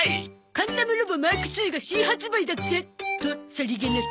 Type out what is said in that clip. カンタムロボ・マークが新発売だって。とさりげなく。